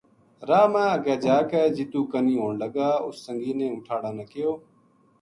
راہ ما اگے جا کے جِتُو کنی ہون لگا اس سنگی نے اونٹھاں ہاڑا نا کہیو